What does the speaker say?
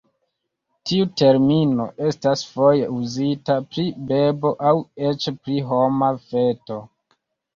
Tiu termino estas foje uzita pri bebo aŭ eĉ pri homa feto.